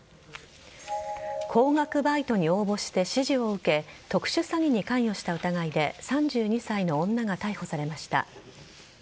高額バイトに応募して指示を受け特殊詐欺に関与した疑いで３２歳の女が逮捕されました。